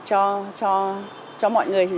cho mọi người